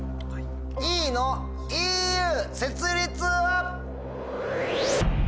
ＥのＥＵ設立は？